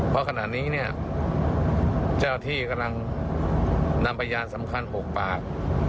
เพราะขณะนี้เนี่ยเจ้าที่กำลังนำพยานสำคัญ๖ปาก